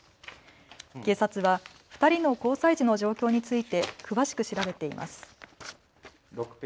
警察は２人の交際時の状況について詳しく調べています。